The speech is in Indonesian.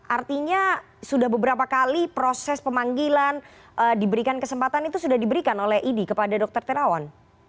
artinya sudah beberapa kali proses pemanggilan diberikan kesempatan itu sudah diberikan oleh idi kepada dr terawan